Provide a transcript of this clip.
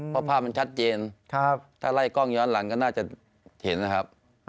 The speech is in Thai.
เพราะภาพมันชัดเจนถ้าไล่กล้องย้อนหลังก็น่าจะเห็นนะครับ